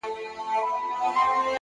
پوهه د فکر افقونه لرې وړي!